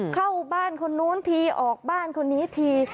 เข้าบ้านคนนู้นทีออกบ้านคนนี้ที